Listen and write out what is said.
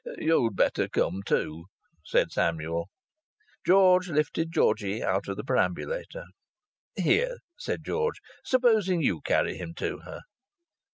"You'd better come too," said Samuel. George lifted Georgie out of the perambulator. "Here," said George. "Suppose you carry him to her."